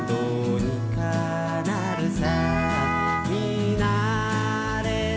「どうにかなるさ」